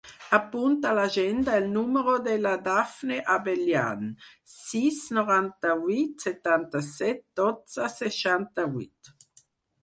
Apunta a l'agenda el número de la Dafne Abellan: sis, noranta-vuit, setanta-set, dotze, seixanta-vuit.